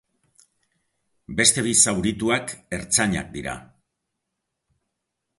Beste bi zaurituak ertzainak dira.